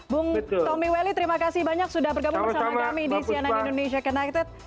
bung tommy welly terima kasih banyak sudah bergabung bersama kami di cnn indonesia connected